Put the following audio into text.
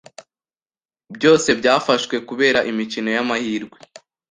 byose byafashwe kubera imikino y’amahirwe